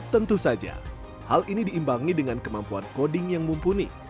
tentu saja hal ini diimbangi dengan kemampuan coding yang mumpuni